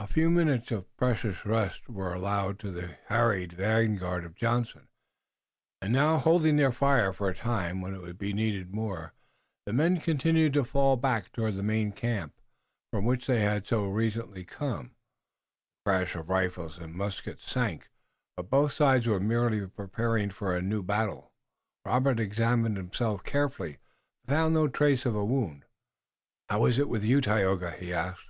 A few minutes of precious rest were allowed to the harried vanguard of Johnson, and now, holding their fire for a time when it would be needed more, the men continued to fall back toward the main camp, from which they had so recently come. The crash of rifles and muskets sank, but both sides were merely preparing for a new battle. Robert examined himself carefully, but found no trace of a wound. "How is it with you, Tayoga?" he asked.